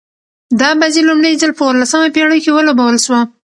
دا بازي لومړی ځل په اوولسمه پېړۍ کښي ولوبول سوه.